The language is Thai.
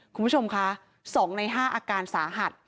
คุณผู้ชมคะ๒ใน๕อาการสาหัส